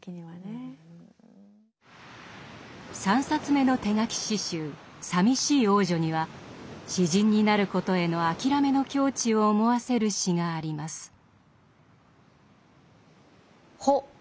３冊目の手書き詩集「さみしい王女」には詩人になることへの諦めの境地を思わせる詩があります。